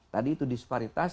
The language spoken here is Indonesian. tadi itu disparitas